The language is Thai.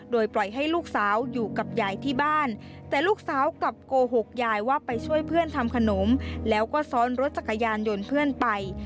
โดยปล่อยให้ลูกสาวอยู่กับยายที่บ้านแต่ลูกสาวกลับโกหกยายว่าไปช่วยเพื่อนทำขนมแล้วก็ซ้อนรถจักรยานยนต์เพื่อนไป